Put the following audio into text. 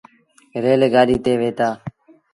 ريل گآڏيٚ تي وهيتآ۔